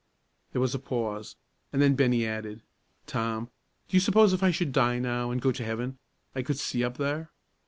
There was a pause, and then Bennie added, "Tom, do you s'pose if I should die now an' go to heaven, I could see up there?"